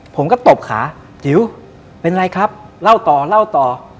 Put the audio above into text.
ผมก็ตบขาจิ๋วเป็นอะไรครับเล่าต่อ